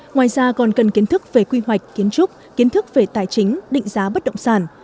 ngoài ra còn cần kiến thức về quy hoạch kiến trúc kiến thức về tài chính định giá bất động sản